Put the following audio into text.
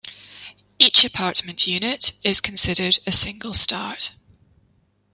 Each apartment unit is considered a single start.